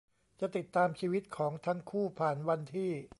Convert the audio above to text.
จะติดตามชีวิตของทั้งคู่ผ่านวันที่